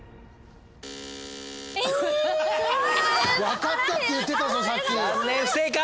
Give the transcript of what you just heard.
「分かった」って言ってたぞさっき。